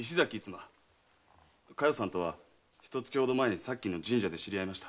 佳代さんとはひと月前にさっきの神社で知り合いました。